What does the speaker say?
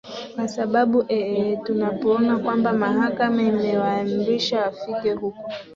kwa sababu ee tunapoona kwamba mahakama imewaamrisha wafike huko